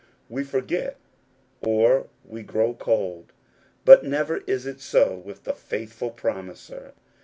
We forget, or we grow cold ; but never is it so with the Faithful Promiser.